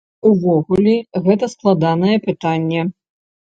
Увогуле, гэта складанае пытанне.